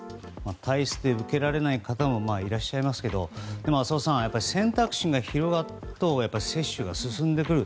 体質で受けられない方もいらっしゃいますけど、でも浅尾さん、選択肢が広がると接種が進んでくる。